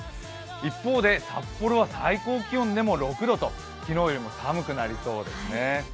一方で札幌は最高気温でも６度と昨日よりも寒くなりそうですね。